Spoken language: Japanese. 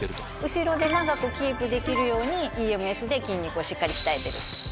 後ろで長くキープできるようにＥＭＳで筋肉をしっかり鍛えてる。